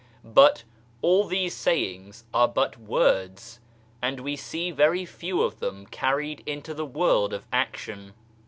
But all these sayings are but words and we see very few of them carried into the world of action.